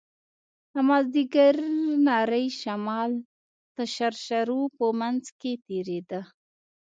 د مازديګر نرى شمال د شرشرو په منځ کښې تېرېده.